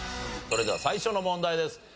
それでは最初の問題です。